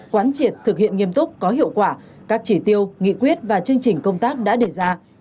quán triệt thực hiện nghiêm túc có hiệu quả các chỉ tiêu nghị quyết và chương trình công tác đã đề ra